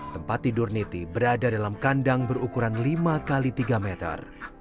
tempat tidur niti berada dalam kandang berukuran lima x tiga meter